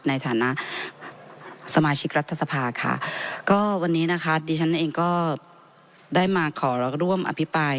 ในฐานะสมาชิกรัฐสภาค่ะก็วันนี้นะคะดิฉันเองก็ได้มาขอแล้วก็ร่วมอภิปราย